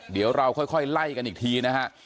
เดี๋ยวเราค่อยไล่กันอีกทีนะฮะ